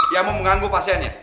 yang mau mengganggu pasiennya